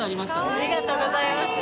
ありがとうございます。